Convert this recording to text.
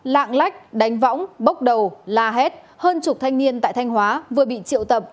lạng lách đánh võng bốc đầu la hét hơn chục thanh niên tại thanh hóa vừa bị triệu tập